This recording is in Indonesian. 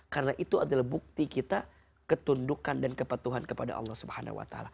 karena itu adalah bukti kita ketundukan dan kepatuhan kepada allah swt